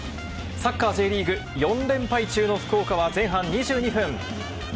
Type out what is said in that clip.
サッカーＪリーグ４連敗中の福岡は前半２２分。